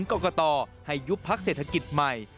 กรกตให้ยุบพักเศรษฐกิจใหม่